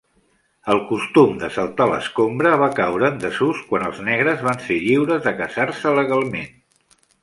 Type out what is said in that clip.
El costum de saltar l'escombra va caure en desús quan els negres van ser lliures de casar-se legalment.